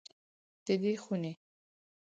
د دې خونې